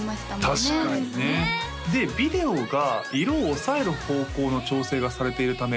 確かにねでビデオが色を抑える方向の調整がされているためか